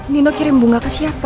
nino kirim bunga ke siapa